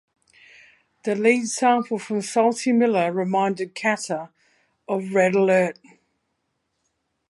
The lead sample from Salty Miller reminded Chater of "Red Alert".